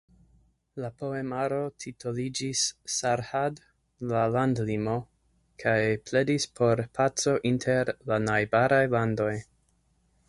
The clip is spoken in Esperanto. La poemaro titoliĝis "Sarhad" (La landlimo) kaj pledis por paco inter la najbaraj landoj.